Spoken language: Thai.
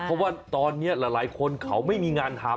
เพราะว่าตอนนี้หลายคนเขาไม่มีงานทำ